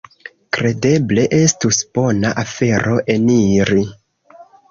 Kredeble estus bona afero eniri."